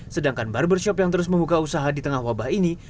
sedangkan barbershop yang terus membuka usaha di tengah wabah ini